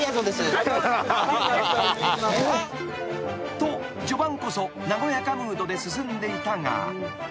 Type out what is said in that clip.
［と序盤こそ和やかムードで進んでいたが］